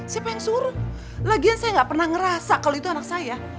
siapa yang suruh lagian saya nggak pernah ngerasa kalau itu anak saya